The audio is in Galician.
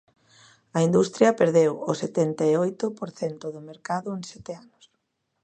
A industria perdeu o setenta e oito por cento do mercado en sete anos